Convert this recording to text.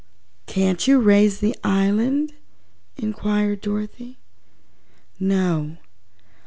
"Can't you raise the island?" inquired Dorothy. "No.